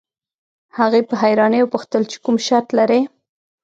هغې په حيرانۍ وپوښتل چې کوم شرط لرئ.